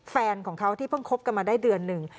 แฟนของเขาที่เพิ่งคบกันมาได้เดือนหนึ่ง